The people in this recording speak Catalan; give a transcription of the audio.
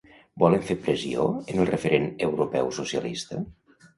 Volen fer pressió en el referent europeu socialista?